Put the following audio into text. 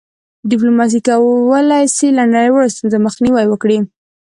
ډيپلوماسي کولی سي له نړیوالو ستونزو مخنیوی وکړي.